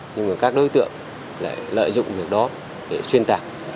nhưng mà các đối tượng lại lợi dụng việc đó để xuyên tạc